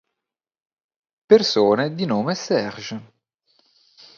Persone di nome Serge